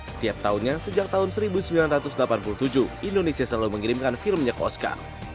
setiap tahunnya sejak tahun seribu sembilan ratus delapan puluh tujuh indonesia selalu mengirimkan filmnya ke oscar